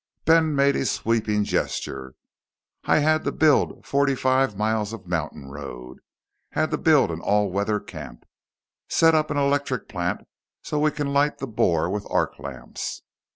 Ben made a sweeping gesture. "I had to build forty five miles of mountain road. Had to build an all weather camp. Set up an electric plant so we can light the bore with arc lamps.